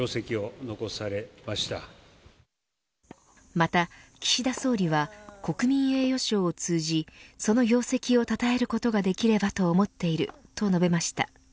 また、岸田総理は国民栄誉賞を通じその業績をたたえることができれば、と思っていると述べました。